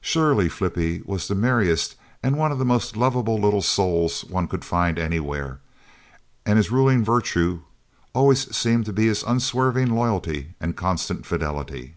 Surely Flippie was the merriest and one of the most lovable little souls one could find anywhere, and his ruling virtue always seemed to be his unswerving loyalty and constant fidelity.